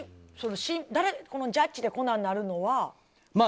なのに、ジャッジでこんなんなるのは。